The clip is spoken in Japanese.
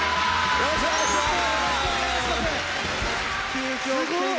よろしくお願いします。